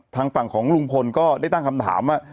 ทางฝั่งของลุงพลก็ได้ตั้งคำถามว่า